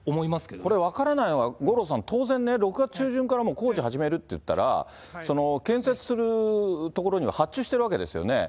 これ、分からないのは、五郎さん、当然ね、６月中旬から、もう工事始めるっていったら、建設する所に、発注しているわけですよね。